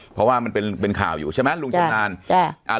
เพราะว่ามันเป็นข่าวอยู่ใช่ไหมลุงชำนาญจ้ะ